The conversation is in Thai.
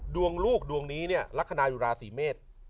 ดวงลูกดวงนี้เนี่ยลักษณะอยู่ราศีเมษ